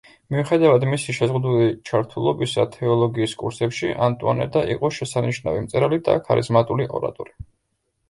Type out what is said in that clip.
მიუხედავად მისი შეზღუდული ჩართულობისა თეოლოგიის კურსებში, ანტუანეტა იყო შესანიშნავი მწერალი და ქარიზმატული ორატორი.